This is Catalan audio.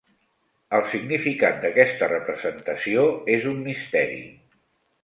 El significat d'aquesta representació és un misteri.